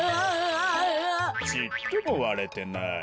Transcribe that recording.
ちっともわれてない。